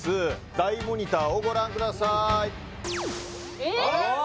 大モニターをご覧くださーいあっえっ？